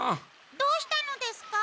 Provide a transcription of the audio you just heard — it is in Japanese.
どうしたのですか？